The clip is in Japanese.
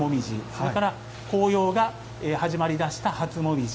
それから、紅葉が始まりだした初紅葉。